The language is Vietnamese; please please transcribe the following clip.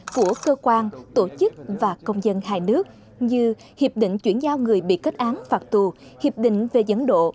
của cơ quan tổ chức và công dân hai nước như hiệp định chuyển giao người bị kết án phạt tù hiệp định về dẫn độ